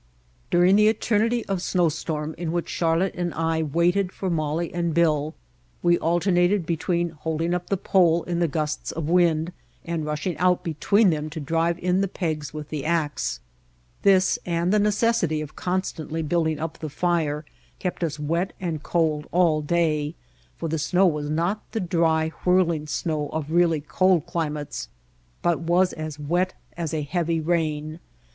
During the eter nity of snowstorm in which Charlotte and I White Heart of Mojave waited for Molly and Bill, we alternated be tween holding up the pole in the gusts of wind and rushing out between them to drive in the pegs with the ax. This, and the necessity of constantly building up the fire, kept us wet and cold all day, for the snow was not the dry, whirl ing snow of really cold climates, but was as wet as a heavy rain.